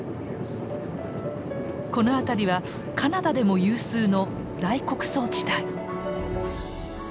この辺りはカナダでも有数の大穀倉地帯。